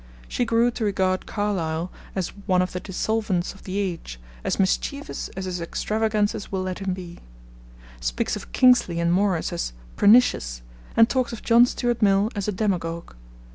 She grew to regard Carlyle as 'one of the dissolvents of the age as mischievous as his extravagances will let him be'; speaks of Kingsley and Maurice as 'pernicious'; and talks of John Stuart Mill as a 'demagogue.'